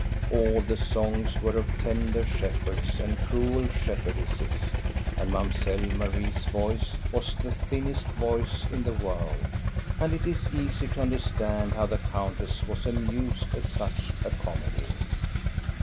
All the songs were of tender shepherds and cruel shepherdesses, and Mamselle Marie's voice was the thinnest voice in the world, and it is easy to understand how the countess was amused at such a comedy.